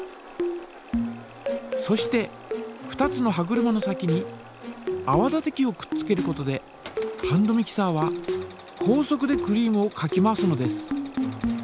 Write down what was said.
そして２つの歯車の先にあわ立て器をくっつけることでハンドミキサーは高速でクリームをかき回すのです。